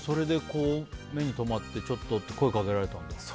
目に留まってちょっとって声をかけられたんだ。